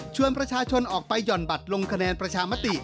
ประชาชนออกไปหย่อนบัตรลงคะแนนประชามติ